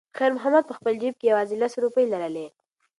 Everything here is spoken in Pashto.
خیر محمد په خپل جېب کې یوازې لس روپۍ لرلې.